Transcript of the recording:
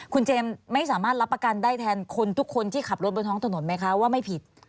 คุณเจมส์ไม่สามารถรับประกันได้แทนคนทุกคนที่ขับรถบนท้องถนนไหมคะว่าไม่ผิด